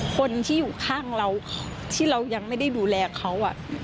คนที่อยู่ข้างเราที่เรายังไม่ได้ดูแลเขา